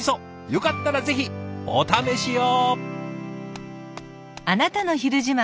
よかったらぜひお試しを。